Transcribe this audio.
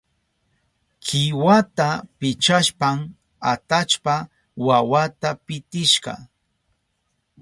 Kiwata pichashpan atallpa wawata pitishka.